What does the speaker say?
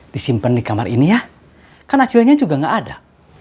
disimpen di kamar ini ya kan acuannya juga gak ada